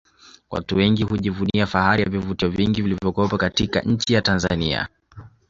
Watu wengi hujivunia fahari ya vivutio vingi vilivyopo katika nchi ya Tanzania